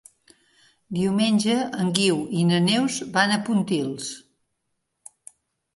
Diumenge en Guiu i na Neus van a Pontils.